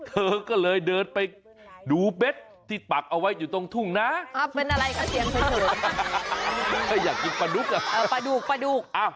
เธอก็เลยเดินไปดูเบ็ดที่ปักเอาไว้อยู่ตรงทุ่งน้า